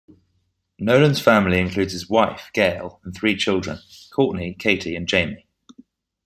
Nolan's family includes his wife, Gail, and three children, Courtney, Katie and Jamie.